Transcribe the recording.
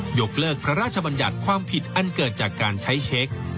ยกเลิกพระราชบัญญัติความผิดอันเกิดจากการใช้เช็ค